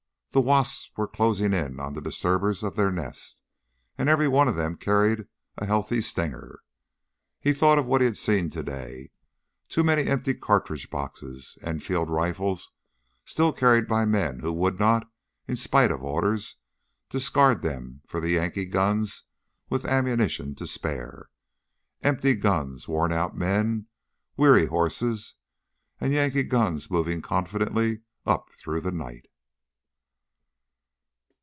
The wasps were closing in on the disturbers of their nest, and every one of them carried a healthy stinger. He thought of what he had seen today: too many empty cartridge boxes, Enfield rifles still carried by men who would not, in spite of orders, discard them for the Yankee guns with ammunition to spare. Empty guns, worn out men, weary horses ... and Yankee guns moving confidently up through the night.